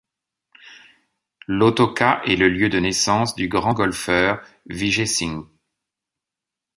Lautoka est le lieu de naissance du grand golfeur Vijay Singh.